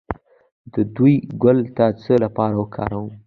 د داودي ګل د څه لپاره وکاروم؟